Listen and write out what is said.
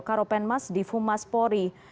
karopenmas di fumaspori